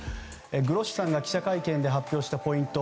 グロッシさんが記者会見で発表したポイント